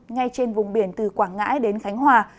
ngay trên vùng biển từ quảng ngãi đến khánh hòa